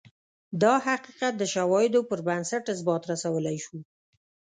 دا حقیقت د شواهدو پربنسټ اثبات رسولای شو.